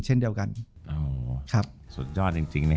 จบการโรงแรมจบการโรงแรม